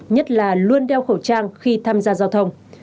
nhất là luôn đeo khẩu trang khi tham gia giao thông